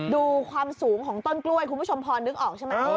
ดูความสูงของต้นกล้วยคุณผู้ชมพอนึกออกใช่ไหม